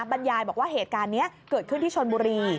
บรรยายบอกว่าเหตุการณ์นี้เกิดขึ้นที่ชนบุรี